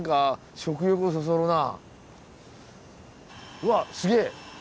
うわすげえ！